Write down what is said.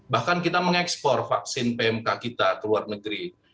bahkan kita mengekspor vaksin pmk kita ke luar negeri